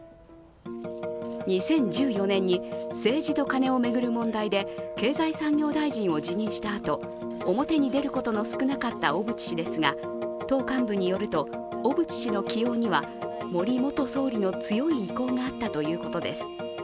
２０１４年に政治とカネを巡る問題で経済産業大臣を辞任したあと表に出ることの少なかった小渕氏ですが党幹部によると、小渕氏の起用には森元総理の強い意向があったということです。